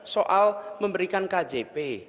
soal memberikan kjp